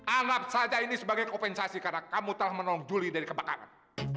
anap saja ini sebagai kompensasi karena kamu telah menolong juli dari kebakaran